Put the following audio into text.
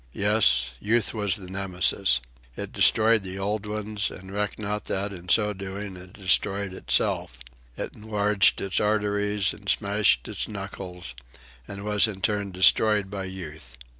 Yes, Youth was the Nemesis. It destroyed the old uns and recked not that, in so doing, it destroyed itself. It enlarged its arteries and smashed its knuckles, and was in turn destroyed by Youth.